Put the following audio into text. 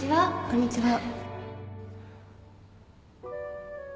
こんにちは